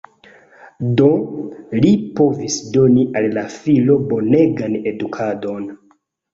Do, li povis doni al la filo bonegan edukadon.